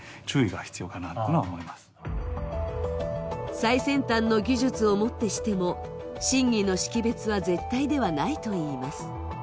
最先端の技術をもってしても真偽の識別は絶対ではなといいます。